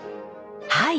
はい。